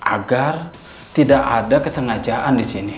agar tidak ada kesengajaan di sini